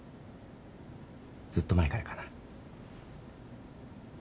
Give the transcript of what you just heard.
ずっと前からかな？